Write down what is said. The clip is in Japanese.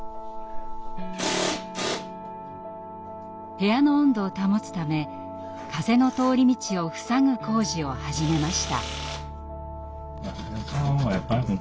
部屋の温度を保つため風の通り道を塞ぐ工事を始めました。